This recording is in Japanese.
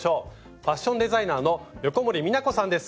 ファッションデザイナーの横森美奈子さんです。